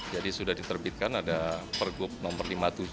jadi sudah diterbitkan ada pergub nomor lima puluh tujuh dua ribu dua puluh satu